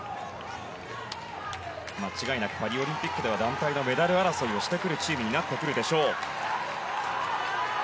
間違いなくパリオリンピックでは団体のメダル争いをしてくるチームになってくるでしょう。